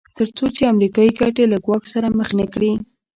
تر څو چې امریکایي ګټې له ګواښ سره مخ نه کړي.